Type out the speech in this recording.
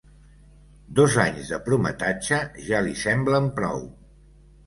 Dos anys de prometatge ja li semblen prou.